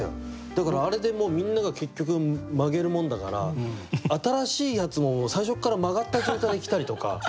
だからあれでもうみんなが結局曲げるもんだから新しいやつも最初から曲がった状態で来たりとか。